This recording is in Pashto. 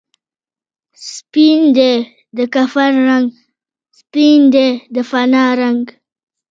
سپین دی د کفن رنګ، سپین دی د فنا رنګ